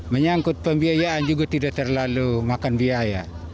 menyangkut pembiayaan juga tidak terlalu makan biaya